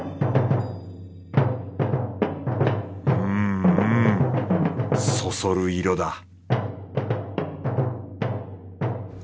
うんうんそそる色だ